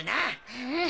うん！